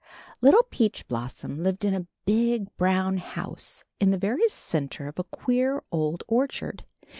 Little Peach Blossom lived in a big, brown house in the very center of a queer old or chard.